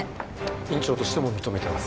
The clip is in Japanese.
院長としても認めてます。